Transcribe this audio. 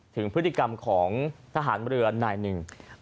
ถึงพฤติกรรมของทหารเรือนายหนึ่ง